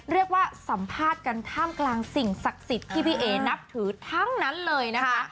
เรียกว่าสัมภาษณ์กันท่ามกลางสิ่งศักดิ์สิทธิ์ที่พี่เอ๋นับถือทั้งนั้นเลยนะคะ